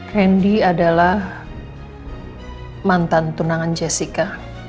hendy adalah mantan tunangan jessica